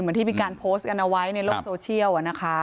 ที่มีการโพสต์กันเอาไว้ในโลกโซเชียลนะคะ